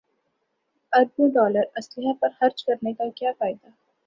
اربوں ڈالر اسلحے پر خرچ کرنے کا کیا فائدہ